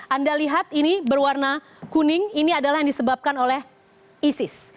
anda lihat ini berwarna kuning ini adalah yang disebabkan oleh isis